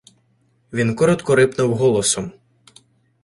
Він коротко рипнув голосом: